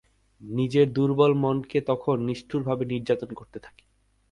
নিজের দুর্বল মনকে তখন নিষ্ঠুরভাবে নির্যাতন করতে থাকে।